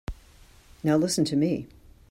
Now listen to me.